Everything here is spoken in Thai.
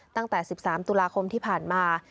ตั้งแต่๑๓ตุลาคมที่ผ่านมา